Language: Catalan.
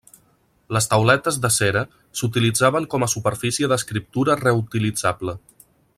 Les tauletes de cera s'utilitzaven com a superfície d'escriptura reutilitzable.